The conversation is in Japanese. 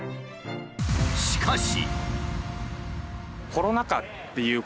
しかし。